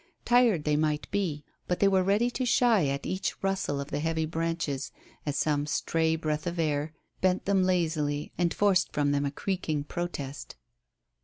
Tired they might be, but they were ready to shy at each rustle of the heavy branches, as some stray breath of air bent them lazily and forced from them a creaking protest.